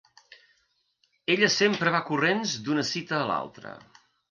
Ella sempre va corrents d'una cita a l'altra.